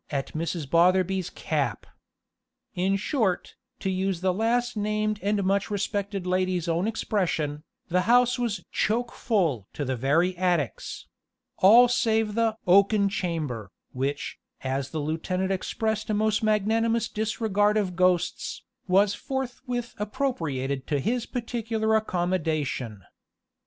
_" at Mrs. Botherby's cap. In short, to use the last named and much respected lady's own expression, the house was "choke full" to the very attics all save the "oaken chamber," which, as the lieutenant expressed a most magnanimous disregard of ghosts, was forthwith appropriated to his particular accommodation.